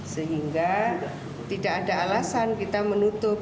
sehingga tidak ada alasan kita menutup